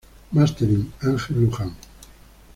Mastering: Ángel Luján.